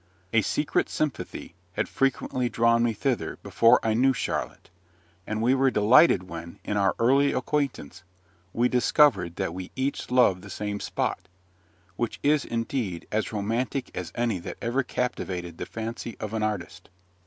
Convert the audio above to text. A secret sympathy had frequently drawn me thither before I knew Charlotte; and we were delighted when, in our early acquaintance, we discovered that we each loved the same spot, which is indeed as romantic as any that ever captivated the fancy of an artist.